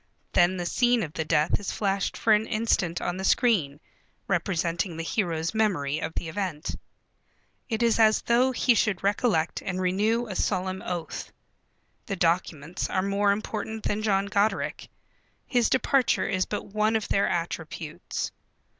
Then the scene of the death is flashed for an instant on the screen, representing the hero's memory of the event. It is as though he should recollect and renew a solemn oath. The documents are more important than John Goderic. His departure is but one of their attributes.